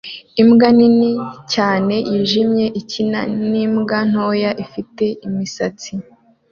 Imbwa nini cyane yijimye ikina nimbwa ntoya ifite imisatsi